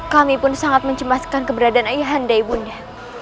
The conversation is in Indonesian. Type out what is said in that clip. kami pun sangat mencemaskan keberadaan ayah anda ibunda